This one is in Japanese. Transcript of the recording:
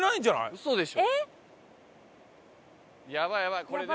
ウソでしょ。